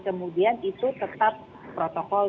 kemudian itu tetap protokol